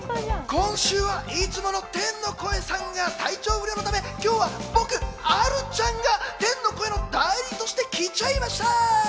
今週はいつもの天の声さんが体調不良のため今日は僕、あるちゃんが天の声の代理として来ちゃいました！